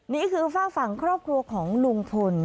นี่คือฝากฝั่งครอบครัวของลุงพล